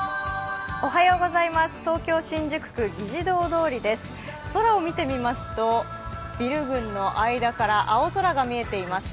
東京・新宿区議事堂通りです空を見てみますと、、ビル群の間から青空が見えています。